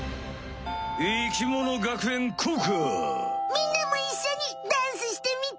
みんなもいっしょにダンスしてみて！